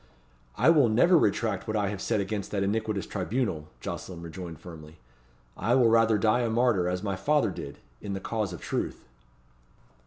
"I will never retract what I have said against that iniquitous tribunal," Jocelyn rejoined firmly. "I will rather die a martyr, as my father did, in the cause of truth."